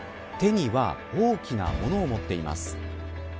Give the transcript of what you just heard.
手には大きな物を持っています。